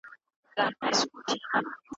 ستا په دې زاړه درمل به کله په زړه ښاد سمه